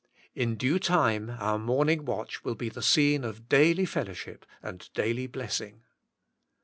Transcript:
In due time our morn ing watch will be the scene of daily fellowship and daily blessing.